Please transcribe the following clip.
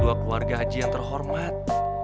dua keluarga haji yang terhormat